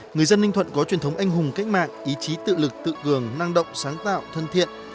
người dân ninh thuận có truyền thống anh hùng cách mạng ý chí tự lực tự cường năng động sáng tạo thân thiện